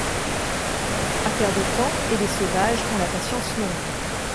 Affaire de temps, et les sauvages ont la patience longue.